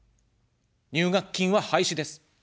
入学金は廃止です。